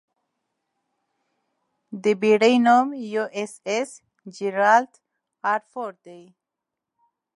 د بېړۍ نوم 'یواېساېس جېرالډ ار فورډ' دی.